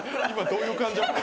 今どういう感情？